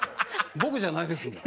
僕じゃないですもん。